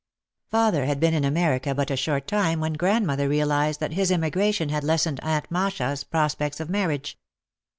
Father had been in America but a short time when grandmother realised that his emigration had lessened Aunt Masha's prospects of marriage.